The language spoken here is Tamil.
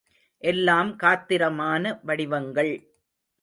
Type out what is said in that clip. எல்லாம் காத்திரமான வடிவங்கள்.